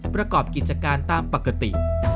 ประกอบกิจการตามปกติ